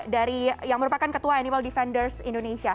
dari yang merupakan ketua animal defenders indonesia